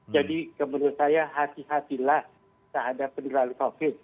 jadi menurut saya hati hatilah terhadap penyelenggaraan covid